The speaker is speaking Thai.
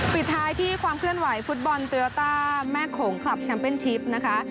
ปิดท้ายที่ความเคลื่อนไหวฟุตบอลโตโยต้าแม่โขงคลับแชมเป็นชิปนะคะ